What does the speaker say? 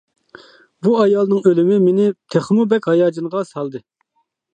بۇ ئايالنىڭ ئۆلۈمى مېنى تېخىمۇ بەك ھاياجانغا سالدى.